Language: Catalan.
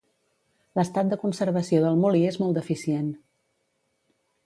L'estat de conservació del molí és molt deficient.